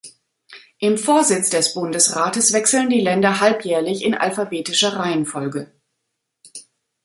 Im Vorsitz des Bundesrates wechseln die Länder halbjährlich in alphabetischer Reihenfolge.